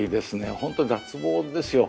本当、脱帽ですよ。